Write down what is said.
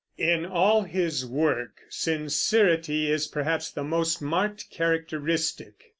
In all his work sincerity is perhaps the most marked characteristic.